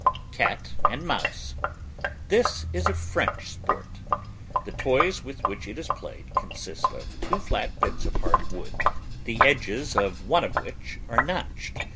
CAT AND MOUSE. This is a French sport. The toys with which it is played consist of two flat bits of hard wood, the edges of one of which are notched.